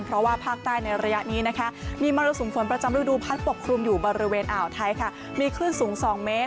เพราะว่าภาคใต้ในระยะนี้นะคะมีมรสุมฝนประจำฤดูพัดปกคลุมอยู่บริเวณอ่าวไทยค่ะมีคลื่นสูง๒เมตร